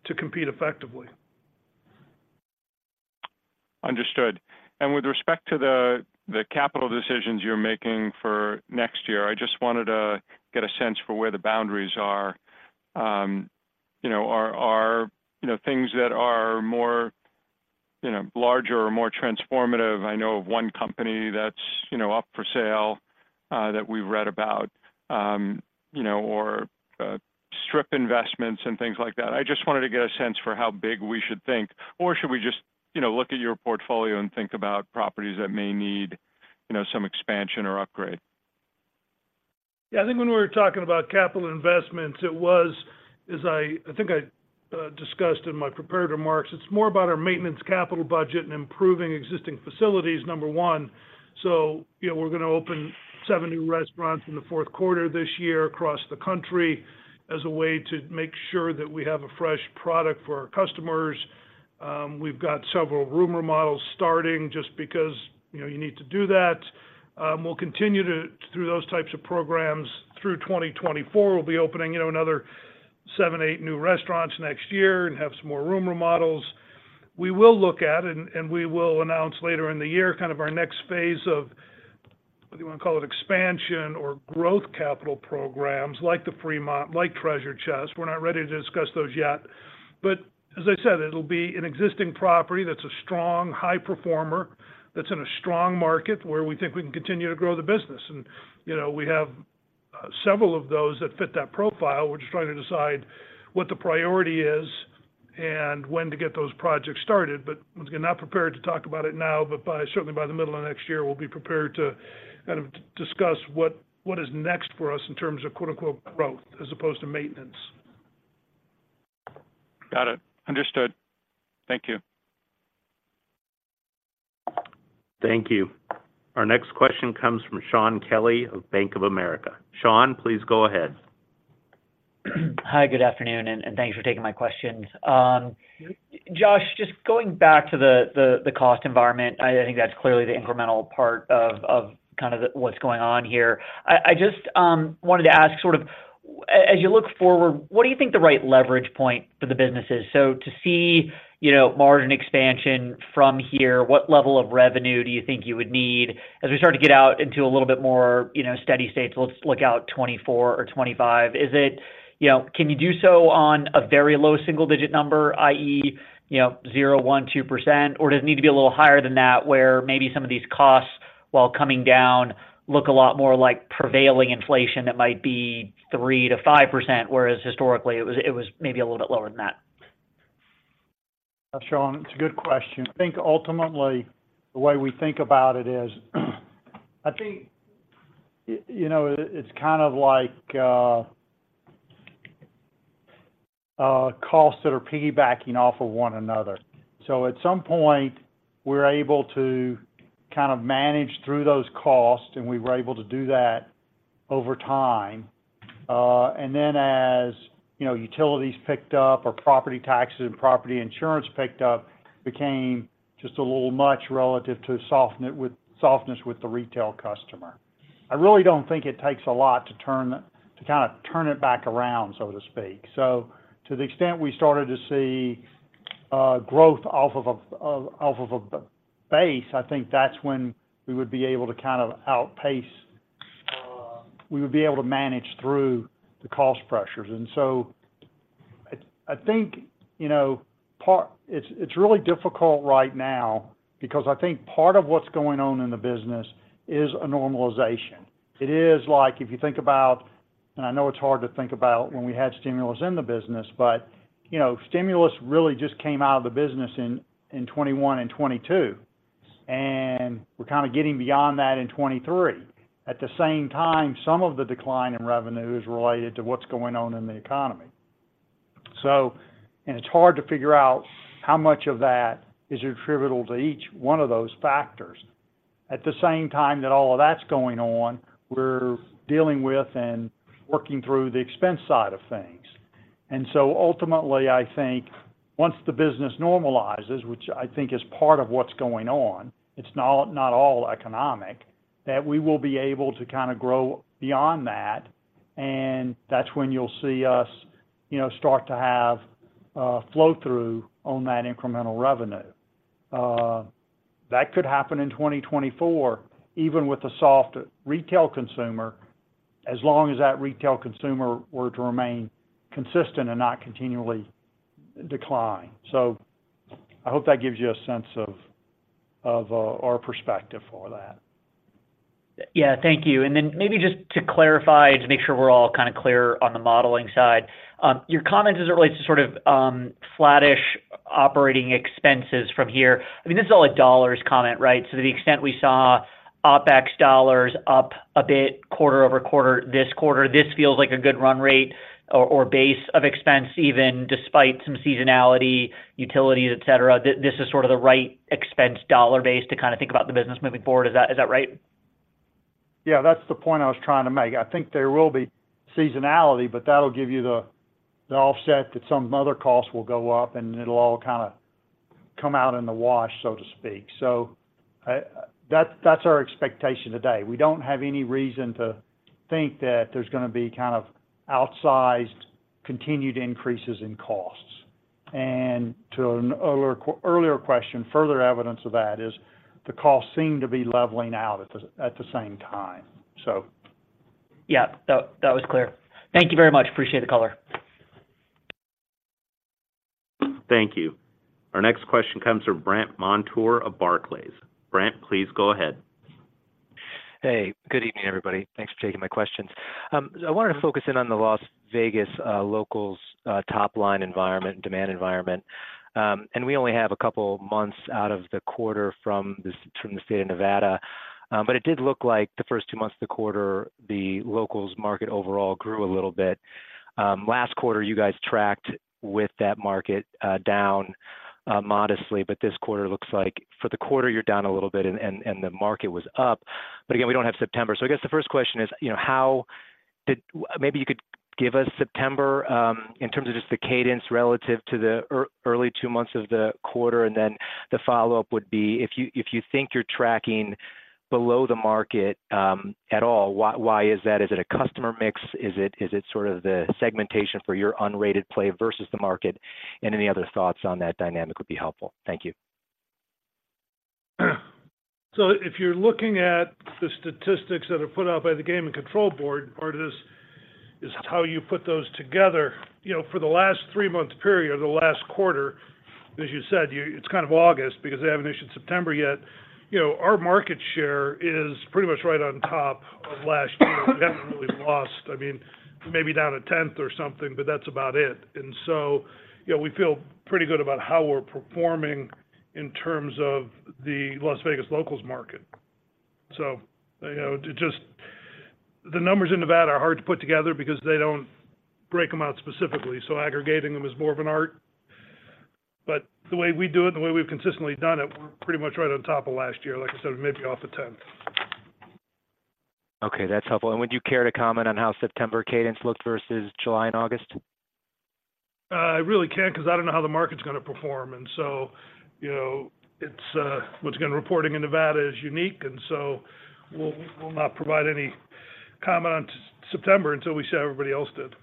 to compete effectively. Understood. And with respect to the capital decisions you're making for next year, I just wanted to get a sense for where the boundaries are. You know, are you know, things that are more, you know, larger or more transformative. I know of one company that's, you know, up for sale, that we've read about, you know, or strip investments and things like that. I just wanted to get a sense for how big we should think, or should we just, you know, look at your portfolio and think about properties that may need, you know, some expansion or upgrade? Yeah, I think when we were talking about capital investments, it was, as I think I discussed in my prepared remarks, it's more about our maintenance capital budget and improving existing facilities, number one. So, you know, we're gonna open seven new restaurants in the fourth quarter this year across the country as a way to make sure that we have a fresh product for our customers. We've got several room remodels starting, just because, you know, you need to do that. We'll continue through those types of programs through 2024. We'll be opening, you know, another seven, eight new restaurants next year and have some more room remodels. We will look at, and we will announce later in the year, kind of our next phase of, whether you want to call it expansion or growth capital programs, like the Fremont, like Treasure Chest. We're not ready to discuss those yet, but as I said, it'll be an existing property that's a strong, high performer, that's in a strong market where we think we can continue to grow the business. And, you know, we have several of those that fit that profile. We're just trying to decide what the priority is and when to get those projects started. But once again, not prepared to talk about it now, but by, certainly by the middle of next year, we'll be prepared to kind of discuss what is next for us in terms of quote, unquote, "growth," as opposed to maintenance. Got it. Understood. Thank you. Thank you. Our next question comes from Shaun Kelley of Bank of America. Shaun, please go ahead. Hi, good afternoon, and thanks for taking my questions. Josh, just going back to the cost environment, I think that's clearly the incremental part of kind of what's going on here. I just wanted to ask, sort of, as you look forward, what do you think the right leverage point for the business is? So to see, you know, margin expansion from here, what level of revenue do you think you would need as we start to get out into a little bit more, you know, steady state? So let's look out 2024 or 2025. Is it, you know, can you do so on a very low single-digit number, i.e., you know, 0%, 1%, 2%, or does it need to be a little higher than that, where maybe some of these costs, while coming down, look a lot more like prevailing inflation that might be 3%-5%, whereas historically, it was, it was maybe a little bit lower than that? Shaun, it's a good question. I think ultimately, the way we think about it is, I think, you know, it's kind of like costs that are piggybacking off of one another. So at some point, we're able to kind of manage through those costs, and we were able to do that over time. And then as, you know, utilities picked up, or property taxes and property insurance picked up, became just a little much relative to softness with the retail customer. I really don't think it takes a lot to turn, to kind of turn it back around, so to speak. So to the extent we started to see growth off of a base, I think that's when we would be able to kind of outpace. We would be able to manage through the cost pressures. And so I, I think, you know, part—it's, it's really difficult right now because I think part of what's going on in the business is a normalization. It is like, if you think about, and I know it's hard to think about when we had stimulus in the business, but, you know, stimulus really just came out of the business in, in 2021 and 2022, and we're kind of getting beyond that in 2023. At the same time, some of the decline in revenue is related to what's going on in the economy. And it's hard to figure out how much of that is attributable to each one of those factors. At the same time that all of that's going on, we're dealing with and working through the expense side of things. So ultimately, I think once the business normalizes, which I think is part of what's going on, it's not, not all economic, that we will be able to kind of grow beyond that, and that's when you'll see us, you know, start to have flow-through on that incremental revenue. That could happen in 2024, even with the soft retail consumer, as long as that retail consumer were to remain consistent and not continually decline. So I hope that gives you a sense of our perspective for that. Yeah, thank you. And then maybe just to clarify, to make sure we're all kind of clear on the modeling side, your comment as it relates to sort of, flattish operating expenses from here. I mean, this is all a dollars comment, right? So to the extent we saw OpEx dollars up a bit quarter-over-quarter, this quarter, this feels like a good run rate or, or base of expense, even despite some seasonality, utilities, et cetera. This, this is sort of the right expense dollar base to kind of think about the business moving forward. Is that, is that right? Yeah, that's the point I was trying to make. I think there will be seasonality, but that'll give you the offset that some other costs will go up, and it'll all kind of come out in the wash, so to speak. So, that's our expectation today. We don't have any reason to think that there's gonna be kind of outsized, continued increases in costs. And to an earlier question, further evidence of that is the costs seem to be leveling out at the same time. Yeah, that, that was clear. Thank you very much. Appreciate the color. Thank you. Our next question comes from Brandt Montour of Barclays. Brandt, please go ahead. Hey, good evening, everybody. Thanks for taking my questions. I wanted to focus in on the Las Vegas Locals top-line environment, demand environment. And we only have a couple months out of the quarter from the state of Nevada. But it did look like the first two months of the quarter, the Locals market overall grew a little bit. Last quarter, you guys tracked with that market, down modestly, but this quarter looks like for the quarter, you're down a little bit and the market was up. But again, we don't have September. So I guess the first question is, you know, how did maybe you could give us September in terms of just the cadence relative to the early two months of the quarter, and then the follow-up would be, if you think you're tracking below the market at all, why is that? Is it a customer mix? Is it sort of the segmentation for your unrated play versus the market? And any other thoughts on that dynamic would be helpful. Thank you. So if you're looking at the statistics that are put out by the Gaming Control Board, part of this is how you put those together. You know, for the last three-month period or the last quarter, as you said, it's kind of August, because they haven't issued September yet. You know, our market share is pretty much right on top of last year. We haven't really lost, I mean, maybe down 1/10 or something, but that's about it. And so, you know, we feel pretty good about how we're performing in terms of the Las Vegas Locals market. So, you know, it just, the numbers in Nevada are hard to put together because they don't break them out specifically, so aggregating them is more of an art. But the way we do it, and the way we've consistently done it, we're pretty much right on top of last year, like I said, maybe off 1/10. Okay, that's helpful. Would you care to comment on how September cadence looked versus July and August? I really can't, because I don't know how the market's gonna perform. And so, you know, it's once again, reporting in Nevada is unique, and so we'll not provide any comment on September until we see how everybody else did.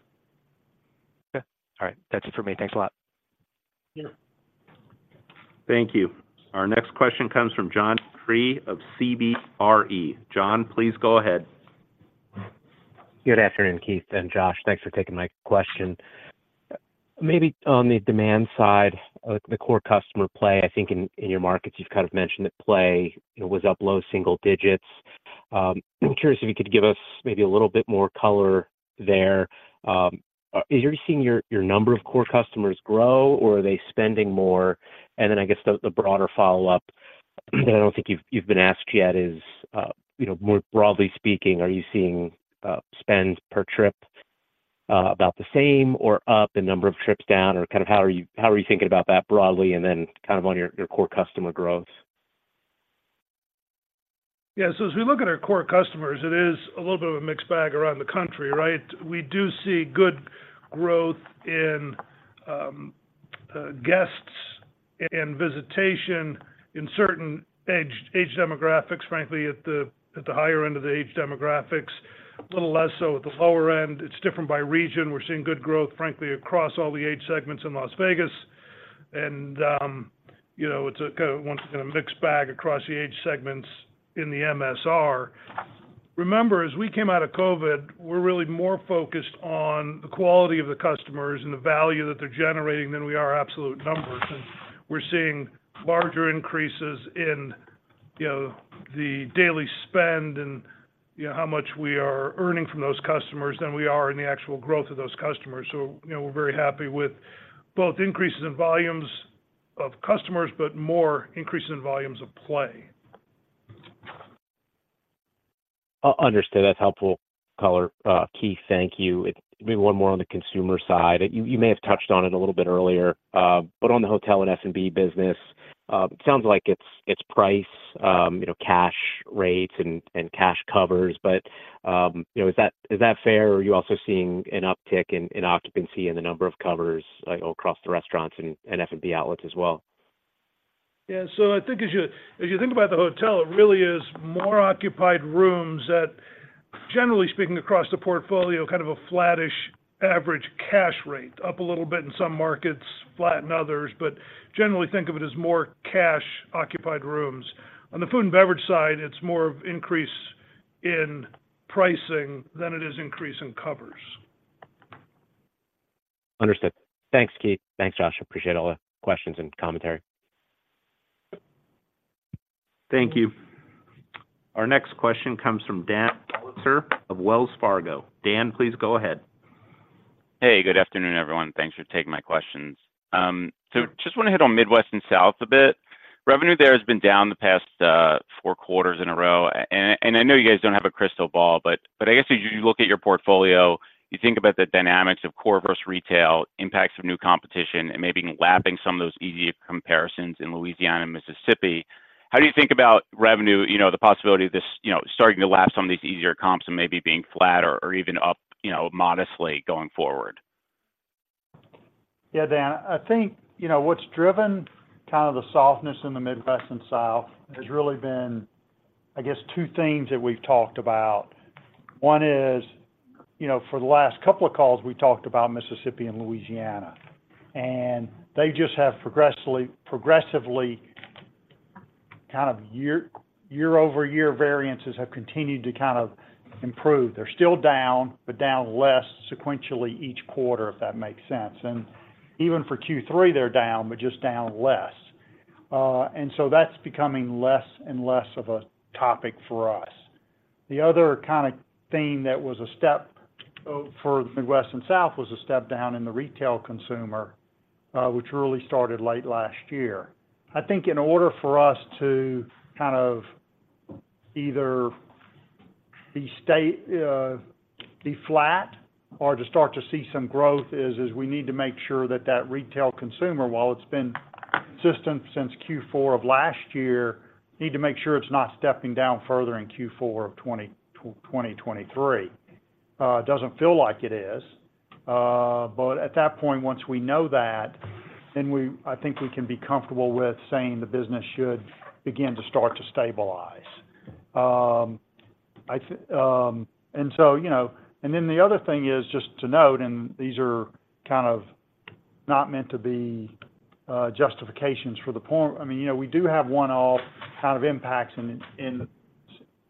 Okay. All right. That's it for me. Thanks a lot. Yeah. Thank you. Our next question comes from John DeCree of CBRE. John, please go ahead. Good afternoon, Keith and Josh. Thanks for taking my question. Maybe on the demand side of the core customer play, I think in your markets, you've kind of mentioned that play, it was up low single digits. I'm curious if you could give us maybe a little bit more color there. Are you seeing your number of core customers grow, or are they spending more? And then I guess the broader follow-up that I don't think you've been asked yet is, you know, more broadly speaking, are you seeing spend per trip about the same or up, the number of trips down? Or kind of how are you thinking about that broadly, and then kind of on your core customer growth? Yeah, so as we look at our core customers, it is a little bit of a mixed bag around the country, right? We do see good growth in guests and visitation in certain age demographics, frankly, at the higher end of the age demographics, a little less so at the lower end. It's different by region. We're seeing good growth, frankly, across all the age segments in Las Vegas. And, you know, it's once again a mixed bag across the age segments in the MSR. Remember, as we came out of COVID, we're really more focused on the quality of the customers and the value that they're generating than we are absolute numbers. We're seeing larger increases in, you know, the daily spend and, you know, how much we are earning from those customers than we are in the actual growth of those customers. So, you know, we're very happy with both increases in volumes of customers, but more increases in volumes of play. Understood. That's helpful color. Keith, thank you. It may be one more on the consumer side. You may have touched on it a little bit earlier, but on the hotel and F&B business, it sounds like it's price, you know, cash rates and cash covers. But you know, is that fair, or are you also seeing an uptick in occupancy and the number of covers, like, across the restaurants and F&B outlets as well? Yeah. So I think as you, as you think about the hotel, it really is more occupied rooms that, generally speaking, across the portfolio, kind of a flattish average cash rate. Up a little bit in some markets, flat in others, but generally think of it as more cash occupied rooms. On the food and beverage side, it's more of increase in pricing than it is increase in covers. Understood. Thanks, Keith. Thanks, Josh. Appreciate all the questions and commentary. Thank you. Our next question comes from Dan Politzer of Wells Fargo. Dan, please go ahead. Hey, good afternoon, everyone. Thanks for taking my questions. So just want to hit on Midwest and South a bit. Revenue there has been down the past four quarters in a row. And I know you guys don't have a crystal ball, but I guess as you look at your portfolio, you think about the dynamics of core versus retail, impacts of new competition, and maybe lapping some of those easier comparisons in Louisiana and Mississippi. How do you think about revenue, you know, the possibility of this, you know, starting to lap some of these easier comps and maybe being flat or even up, you know, modestly going forward? Yeah, Dan, I think, you know, what's driven kind of the softness in the Midwest and South has really been, I guess, two things that we've talked about. One is, you know, for the last couple of calls, we talked about Mississippi and Louisiana, and they just have progressively, progressively, kind of year-over-year variances have continued to kind of improve. They're still down, but down less sequentially each quarter, if that makes sense. And even for Q3, they're down, but just down less. And so that's becoming less and less of a topic for us. The other kind of theme that was a step for the Midwest and South was a step down in the retail consumer, which really started late last year. I think in order for us to kind of either stay flat or to start to see some growth, we need to make sure that that retail consumer, while it's been consistent since Q4 of last year, need to make sure it's not stepping down further in Q4 of 2023. It doesn't feel like it is, but at that point, once we know that, then I think we can be comfortable with saying the business should begin to start to stabilize. And so, you know, and then the other thing is, just to note, and these are kind of not meant to be justifications for the, I mean, you know, we do have one-off kind of impacts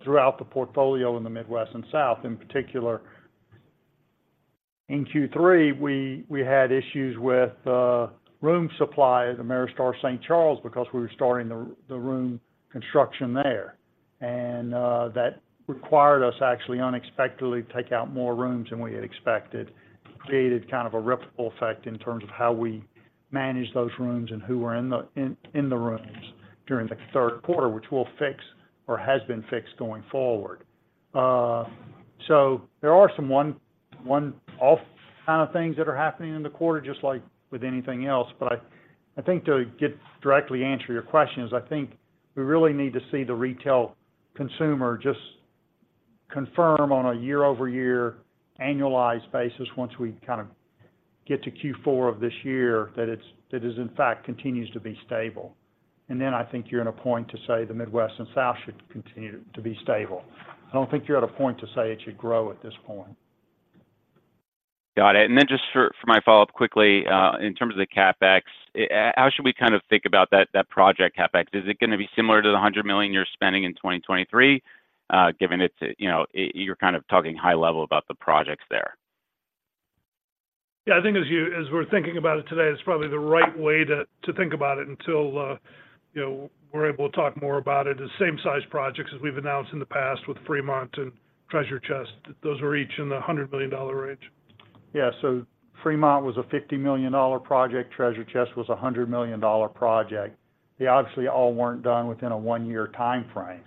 throughout the portfolio in the Midwest and South. In particular, in Q3, we had issues with room supply at Ameristar St. Charles because we were starting the room construction there. And that required us actually, unexpectedly, to take out more rooms than we had expected. Created kind of a ripple effect in terms of how we manage those rooms and who were in the rooms during the third quarter, which we'll fix or has been fixed going forward. So there are some one-off kind of things that are happening in the quarter, just like with anything else. But I think to get directly to answer your question, is I think we really need to see the retail consumer just confirm on a year-over-year annualized basis once we kind of get to Q4 of this year, that it is, in fact, continues to be stable. Then I think you're at a point to say the Midwest and South should continue to be stable. I don't think you're at a point to say it should grow at this point. Got it. And then just for my follow-up quickly, in terms of the CapEx, how should we kind of think about that project CapEx? Is it gonna be similar to the $100 million you're spending in 2023, given it's, you know, you're kind of talking high level about the projects there? Yeah, I think as we're thinking about it today, it's probably the right way to think about it until, you know, we're able to talk more about it. It's same size projects as we've announced in the past with Fremont and Treasure Chest. Those were each in the $100 million range. Yeah. So Fremont was a $50 million project. Treasure Chest was a $100 million project. They obviously all weren't done within a one-year timeframe.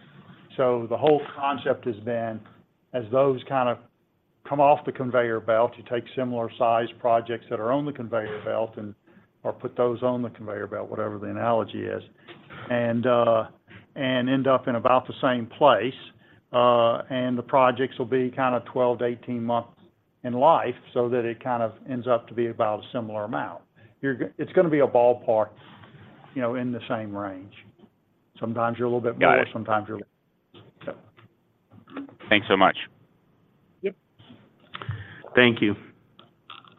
So the whole concept has been, as those kind of come off the conveyor belt, you take similar size projects that are on the conveyor belt and—or put those on the conveyor belt, whatever the analogy is, and, and end up in about the same place. And the projects will be kind of 12-18 months in life, so that it kind of ends up to be about a similar amount. You're, it's gonna be a ballpark, you know, in the same range. Sometimes you're a little bit more. Got it. Thanks so much. Yep. Thank you.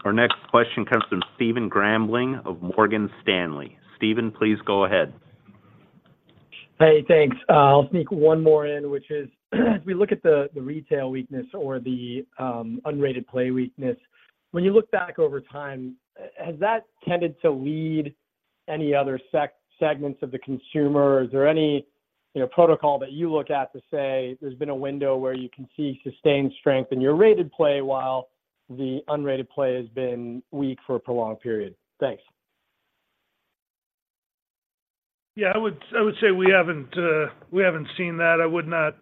Our next question comes from Stephen Grambling of Morgan Stanley. Stephen, please go ahead. Hey, thanks. I'll sneak one more in, which is, if we look at the, the retail weakness or the unrated play weakness, when you look back over time, has that tended to lead any other segments of the consumer? Is there any, you know, protocol that you look at to say there's been a window where you can see sustained strength in your rated play, while the unrated play has been weak for a prolonged period? Thanks. Yeah, I would, I would say we haven't, we haven't seen that. I would not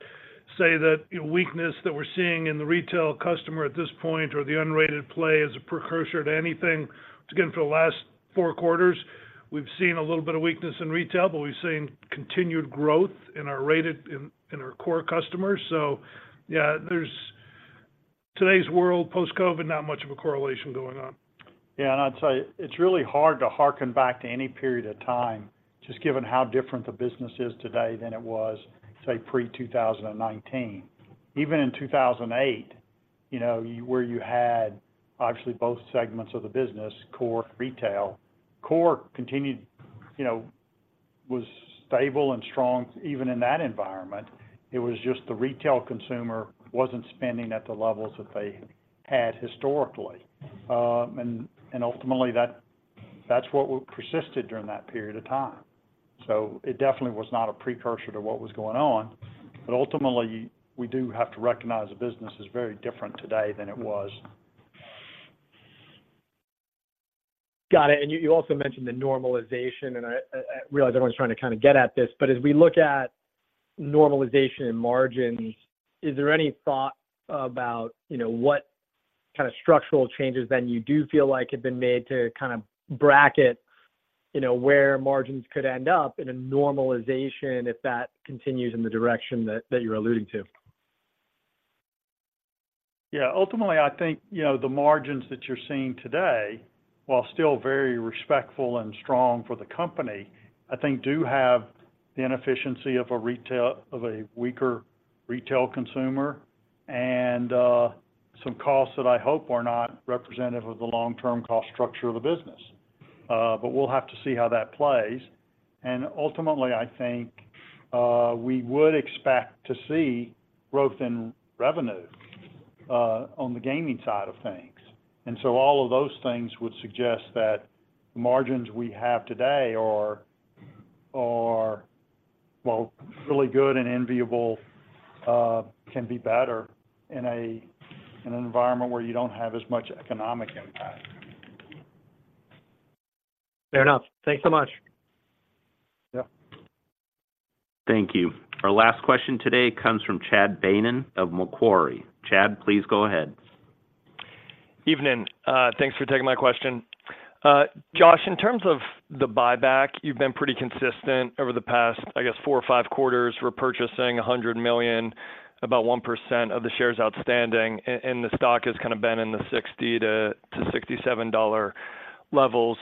say that the weakness that we're seeing in the retail customer at this point, or the unrated play, is a precursor to anything. Again, for the last four quarters, we've seen a little bit of weakness in retail, but we've seen continued growth in our rated, in our core customers. So yeah, there's today's world, post-COVID, not much of a correlation going on. Yeah, and I'd say it's really hard to harken back to any period of time, just given how different the business is today than it was, say, pre-2019. Even in 2008, you know, where you had obviously both segments of the business, core retail, core continued, you know, was stable and strong even in that environment. It was just the retail consumer wasn't spending at the levels that they had historically. And ultimately, that's what we persisted during that period of time. So it definitely was not a precursor to what was going on, but ultimately, we do have to recognize the business is very different today than it was. Got it. And you also mentioned the normalization, and I realize everyone's trying to kind of get at this, but as we look at normalization in margins, is there any thought about, you know, what kind of structural changes then you do feel like have been made to kind of bracket, you know, where margins could end up in a normalization, if that continues in the direction that you're alluding to? Yeah. Ultimately, I think, you know, the margins that you're seeing today, while still very respectful and strong for the company, I think do have the inefficiency of a retail - of a weaker retail consumer and some costs that I hope are not representative of the long-term cost structure of the business. But we'll have to see how that plays. And ultimately, I think we would expect to see growth in revenue on the gaming side of things. And so all of those things would suggest that margins we have today are, are, well, really good and enviable can be better in an environment where you don't have as much economic impact. Fair enough. Thanks so much. Yeah. Thank you. Our last question today comes from Chad Beynon of Macquarie. Chad, please go ahead. Evening. Thanks for taking my question. Josh, in terms of the buyback, you've been pretty consistent over the past, I guess, four or five quarters, repurchasing $100 million, about 1% of the shares outstanding, and the stock has kind of been in the $60-$67 levels.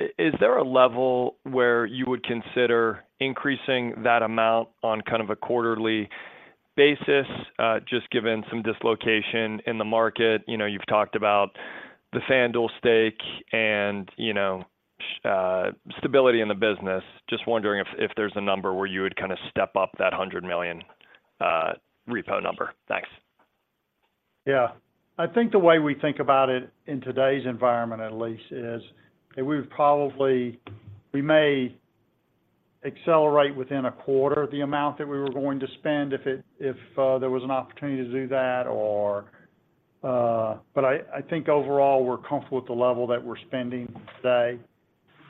Is there a level where you would consider increasing that amount on kind of a quarterly basis, just given some dislocation in the market? You know, you've talked about the FanDuel stake and, you know, stability in the business. Just wondering if there's a number where you would kind of step up that $100 million repo number. Thanks. Yeah. I think the way we think about it in today's environment, at least, is that we may accelerate within a quarter the amount that we were going to spend, if there was an opportunity to do that or, but I think overall, we're comfortable with the level that we're spending today,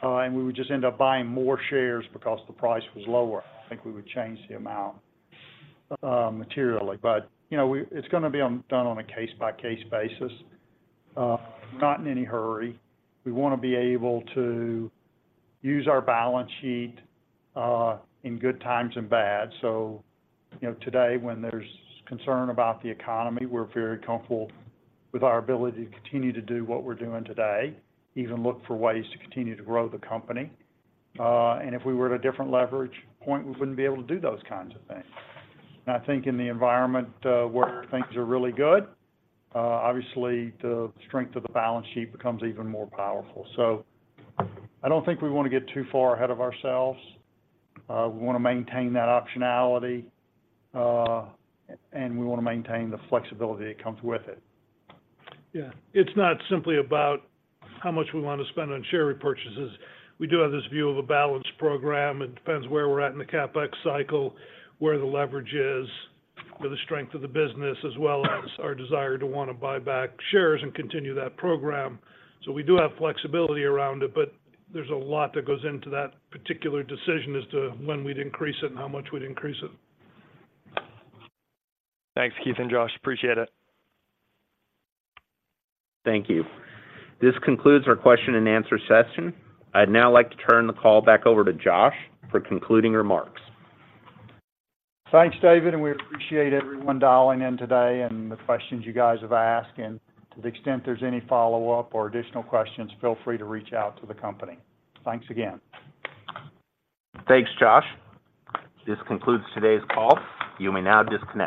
and we would just end up buying more shares because the price was lower. I don't think we would change the amount materially. But, you know, it's gonna be done on a case-by-case basis. Not in any hurry. We wanna be able to use our balance sheet in good times and bad. So, you know, today, when there's concern about the economy, we're very comfortable with our ability to continue to do what we're doing today, even look for ways to continue to grow the company. And if we were at a different leverage point, we wouldn't be able to do those kinds of things. And I think in the environment, where things are really good, obviously, the strength of the balance sheet becomes even more powerful. So I don't think we wanna get too far ahead of ourselves. We wanna maintain that optionality, and we wanna maintain the flexibility that comes with it. Yeah. It's not simply about how much we want to spend on share repurchases. We do have this view of a balanced program. It depends where we're at in the CapEx cycle, where the leverage is, where the strength of the business, as well as our desire to wanna buy back shares and continue that program. So we do have flexibility around it, but there's a lot that goes into that particular decision as to when we'd increase it and how much we'd increase it. Thanks, Keith and Josh. Appreciate it. Thank you. This concludes our question and answer session. I'd now like to turn the call back over to Josh for concluding remarks. Thanks, David, and we appreciate everyone dialing in today and the questions you guys have asked. To the extent there's any follow-up or additional questions, feel free to reach out to the company. Thanks again. Thanks, Josh. This concludes today's call. You may now disconnect.